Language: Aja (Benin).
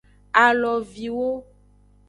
Aloviwo.